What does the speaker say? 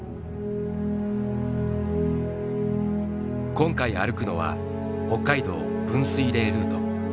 今回歩くのは「北海道分水嶺ルート」。